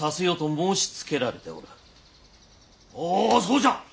おおそうじゃ！